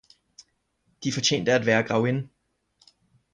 De fortjente at være grevinde!